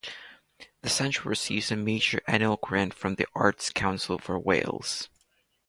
The centre receives a major annual grant from the Arts Council for Wales.